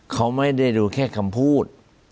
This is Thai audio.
เขาไม่ได้ดูแค่คำพูด